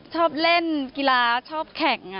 ชอบเล่นกีฬาชอบแข่ง